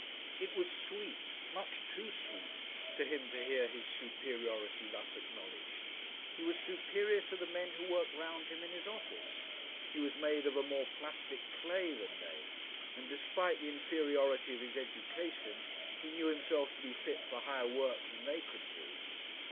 It was sweet, much too sweet, to him to hear his superiority thus acknowledged. He was superior to the men who worked round him in his office. He was made of a more plastic clay than they, and despite the inferiority of his education, he knew himself to be fit for higher work than they could do.